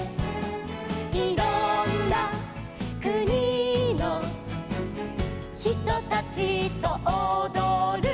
「いろんなくにのひとたちとおどる」